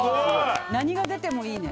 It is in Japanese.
何が出てもいいね。